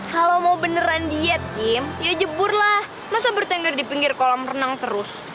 kalau mau beneran diet kim ya jeburlah masa bertengger di pinggir kolam renang terus